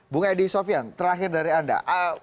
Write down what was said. bung edi sofyan terakhir dari anda